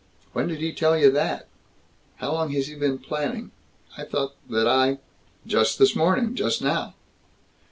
"When did he tell you that? How long has he been planning I thought that I " "Just this morning; just now."